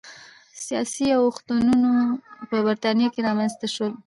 سیاسي اوښتونونه په برېټانیا کې رامنځته شول.